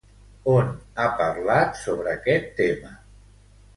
On ha parlat sobre aquest tema?